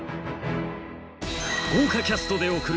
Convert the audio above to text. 豪華キャストで送る